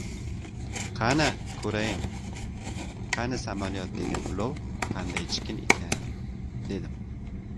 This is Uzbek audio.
Qani, ko‘rayin, qani, samolyot degan ulov qandaychikin ekan, dedim.